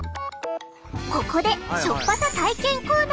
ここで塩っぱさ体験コーナー！